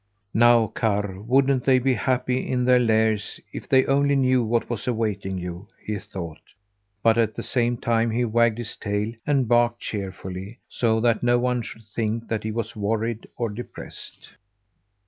"Now, Karr, wouldn't they be happy in their lairs if they only knew what was awaiting you?" he thought, but at the same time he wagged his tail and barked cheerfully, so that no one should think that he was worried or depressed.